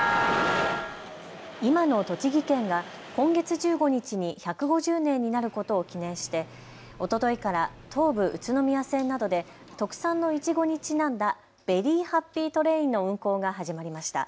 今の栃木県が今月１５日に１５０年になることを記念しておとといから東武宇都宮線などで特産のいちごにちなんだベリーハッピートレインの運行が始まりました。